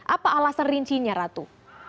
apa alasan rincinya ratu